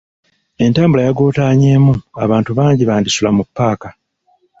Entambula yagootaanyemu, abantu bangi bandisula mu paaka.